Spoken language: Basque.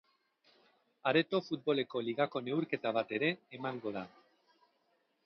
Areto futboleko ligako neurketa bat ere emango da.